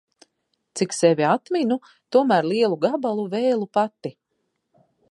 Cik sevi atminu, tomēr lielu gabalu vēlu pati.